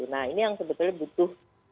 nah ini yang sebetulnya butuh